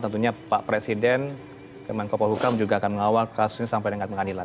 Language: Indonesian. tentunya pak presiden kemenkopol hukam juga akan mengawal kasus ini sampai dengan pengadilan